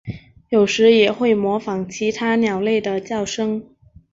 有时也会模仿其他鸟类的叫声。